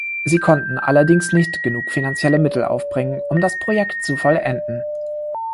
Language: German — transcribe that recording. Sie konnten allerdings nicht genug finanzielle Mittel aufbringen, um das Projekt zu vollenden.